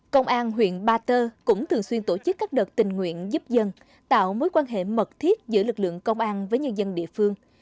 công an huyện ba tơ cũng thường xuyên tổ chức các đợt tình nguyện giúp dân tạo mối quan hệ mật thiết giữa lực lượng công an với nhân dân địa phương